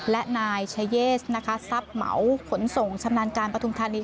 และนายชายเยสนะคะทรัพย์เหมาขนส่งชำนาญการปฐุมธานี